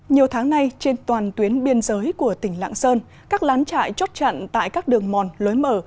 nhiều tháng nay trên toàn tuyến biên giới của tỉnh lạng sơn các lán trại chốt chặn tại các đường mòn lối mở